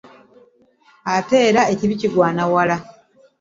Ate era ekibi kigwana wala .